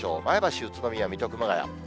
前橋、宇都宮、水戸、熊谷。